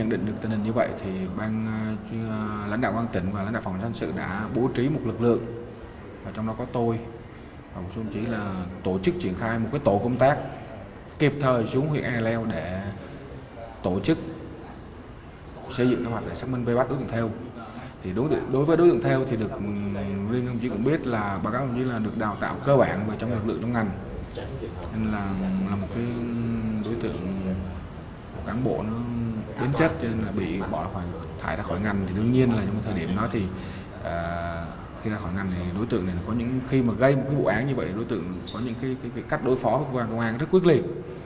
đối tượng có những cái cách đối phó với quản lộ an rất quyết liệt